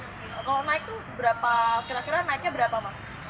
kalau naik itu berapa kira kira naiknya berapa mas